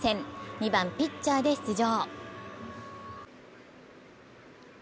２番・ピッチャーで出場。